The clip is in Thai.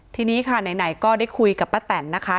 ทีนี้ค่ะไหนก็ได้คุยกับป้าแตนนะคะ